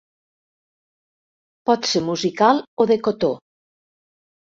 Pot ser musical o de cotó.